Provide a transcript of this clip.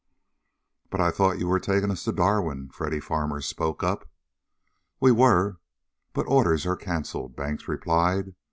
"But I thought you were taking us to Darwin?" Freddy Farmer spoke up. "We were, but orders are canceled," Banks replied.